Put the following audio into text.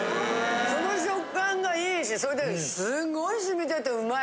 その食感がいいしそれですごい染みててうまい！